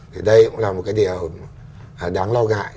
thì đây cũng là một cái điều đáng lo ngại